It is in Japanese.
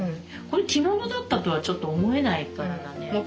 これ着物だったとはちょっと思えない柄だね。